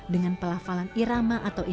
dengan pelafalan irama atau ibarat